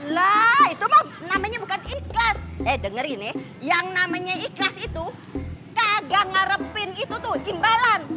lah itu mah namanya bukan ikhlas eh dengerin nih yang namanya ikhlas itu kagak ngarepin itu tuh imbalan